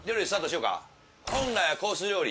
本来はコース料理。